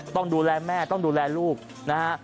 ต้องดูแลแม่ต้องดูแลลูกนะฮะ